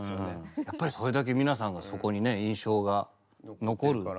やっぱりそれだけ皆さんがそこにね印象が残るから。